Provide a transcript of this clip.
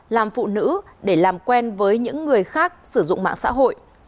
làm phụ nữ để làm quen với những người